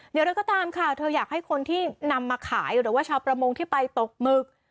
เดี๋ยวเราก็ตามค่ะเธออยากให้คนที่นำมาขายหรือว่าชาวประมงที่ไปตกหมึก